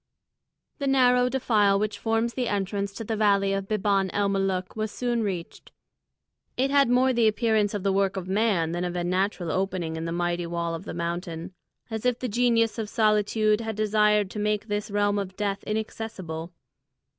The narrow defile which forms the entrance to the valley of Biban el Molûk was soon reached. It had more the appearance of the work of man than of a natural opening in the mighty wall of the mountain, as if the Genius of Solitude had desired to make this realm of death inaccessible.